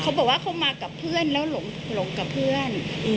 เขาบอกว่าเขามากับเพื่อนแล้วหลงกับเพื่อน